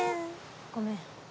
ごめん。